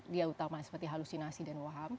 dia utamanya seperti halusinasi dan waham